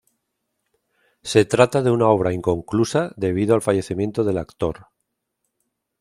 Se trata de una obra inconclusa debido al fallecimiento del actor.